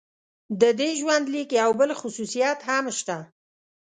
د دې ژوندلیک یو بل خصوصیت هم شته.